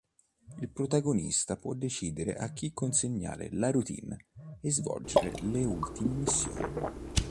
Il protagonista può decidere a chi consegnare la Routine e svolgere le ultime missioni.